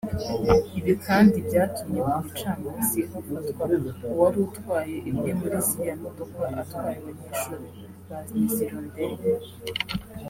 Ibi kandi byatumye ku gicamunsi hafatwa uwari utwaye imwe muri ziriya modoka atwaye abanyeshuri ba Les Hirondelles